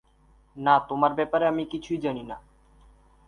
না, তোমার ব্যাপারে আমি কিছুই জানি না।